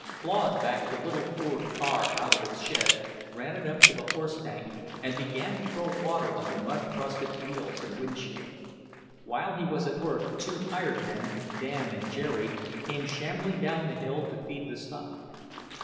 Claude backed the little Ford car out of its shed, ran it up to the horse tank, and began to throw water on the mud crusted wheels and windshield. While he was at work the two hired men, Dan and Jerry, came shambling down the hill to feed the stock.